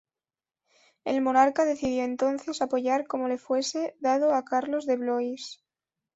El monarca decidió entonces apoyar como le fuese dado a Carlos de Blois.